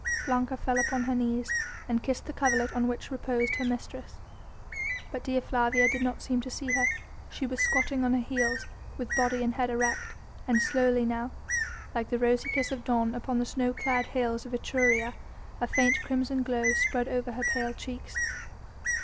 Blanca fell upon her knees and kissed the coverlet on which reposed her mistress; but Dea Flavia did not seem to see her. She was squatting on her heels, with body and head erect, and slowly now, like the rosy kiss of dawn upon the snow clad hills of Etruria, a faint crimson glow spread over her pale cheeks.